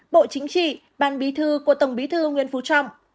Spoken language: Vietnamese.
bộ chính trị ban bí thư của tổng bí thư nguyễn phú trọng